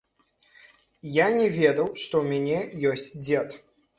Я не ведаў, што ў мяне ёсць дзед.